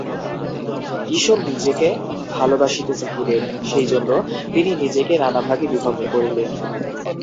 ঈশ্বর নিজেকে ভালবাসিতে চাহিলেন, সেই জন্য তিনি নিজেকে নানা ভাগে বিভক্ত করিলেন।